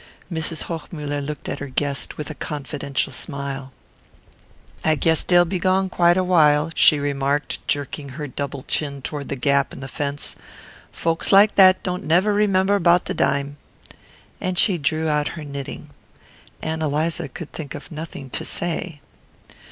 Mrs. Hochmuller looked at her guest with a confidential smile. "I guess dey'll be gone quite a while," she remarked, jerking her double chin toward the gap in the fence. "Folks like dat don't never remember about de dime." And she drew out her knitting. Ann Eliza could think of nothing to say.